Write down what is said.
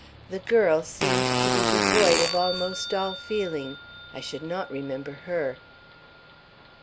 The girl seemed to be devoid of almost all feeling. I should not remember her."